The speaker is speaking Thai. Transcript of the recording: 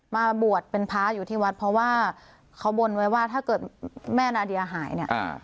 มาบวชเป็นพระอยู่ที่วัดเพราะว่าเขาบนไว้ว่าถ้าเกิดแม่นาเดียหายเนี่ย